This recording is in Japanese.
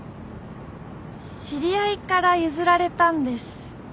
知り合いから譲られたんです。